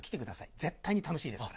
絶対に楽しいですから。